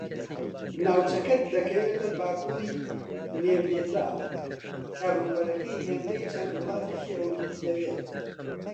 ناوچەکە دەکەوێتە باکوری نێڤێدا کە ڕووبەرەکەی ھێندەی چەند وڵاتێکی ئەوروپی دەبێت